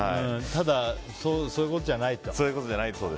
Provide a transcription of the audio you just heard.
ただ、そういうこっちゃないと。